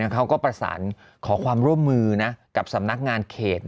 เขาก็ประสานขอความร่วมมือกับสำนักงานเขต